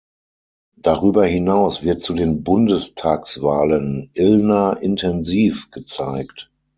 Darüber hinaus wird zu den Bundestagswahlen "illner intensiv" gezeigt.